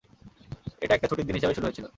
এটা একটা ছুটির দিন হিসেবে শুরু হয়েছিল।